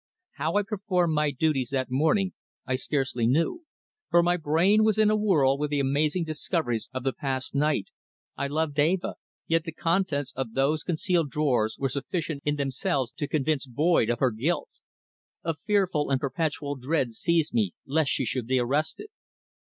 How I performed my duties that morning I scarcely knew, for my brain was in a whirl with the amazing discoveries of the past night, I loved Eva, yet the contents of those concealed drawers were sufficient in themselves to convince Boyd of her guilt. A fearful and perpetual dread seized me lest she should be arrested.